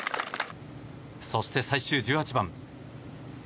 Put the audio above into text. そして最終１８番。